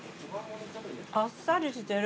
あっさりしてる。